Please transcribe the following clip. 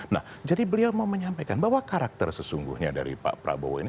nah jadi beliau mau menyampaikan bahwa karakter sesungguhnya dari pak prabowo ini